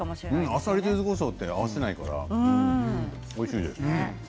あさりとゆずこしょう合わせないから、おいしいですね。